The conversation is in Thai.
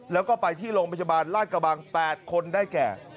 แล้วก็ไปที่โรงพยาบาลราชกระบัง๘คนได้แก่